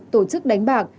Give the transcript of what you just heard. tổ chức đánh bạc